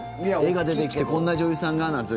画が出てきてこんな女優さんが、なんて。